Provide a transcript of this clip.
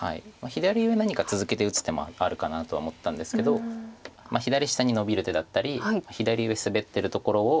左上何か続けて打つ手もあるかなとは思ったんですけど左下にノビる手だったり左上スベってるところを。